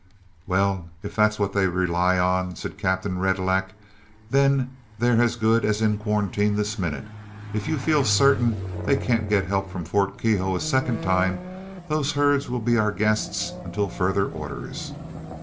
"Well, if that's what they rely on," said Captain Retallac, "then they're as good as in quarantine this minute. If you feel certain they can't get help from Fort Keogh a second time, those herds will be our guests until further orders.